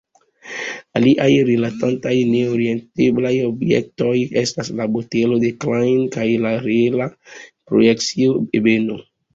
Aliaj rilatantaj ne-orienteblaj objektoj estas la botelo de Klein kaj la reela projekcia ebeno.